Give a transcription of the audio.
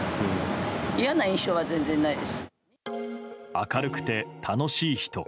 明るくて楽しい人。